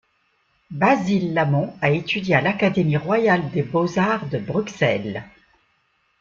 Basil Lamon a étudié à l'Académie royale des beaux-arts de Bruxelles.